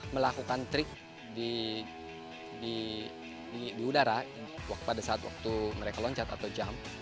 melakukan trik di udara pada saat waktu mereka loncat atau jump